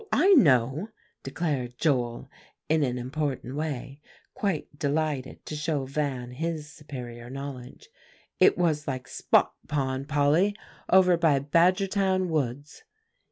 I know," declared Joel in an important way, quite delighted to show Van his superior knowledge; "it was like Spot Pond, Polly, over by Badgertown woods."